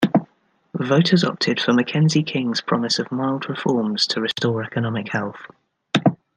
Voters opted for Mackenzie King's promise of mild reforms to restore economic health.